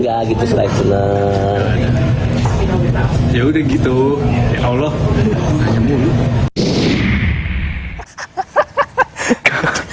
rated tiga selain penang